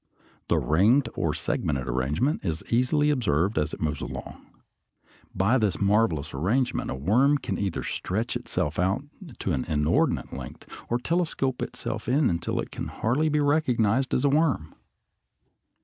The ringed or segmented arrangement is easily observed as it moves along. By this marvelous arrangement a worm can either stretch itself out to an inordinate length, or telescope itself until it can hardly be recognized as a worm.